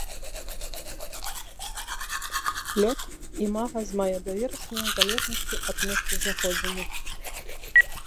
Лёт імага з мая да верасня ў залежнасці ад месцазнаходжання.